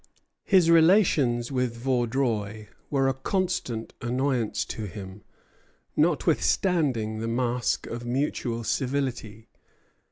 His relations with Vaudreuil were a constant annoyance to him, notwithstanding the mask of mutual civility.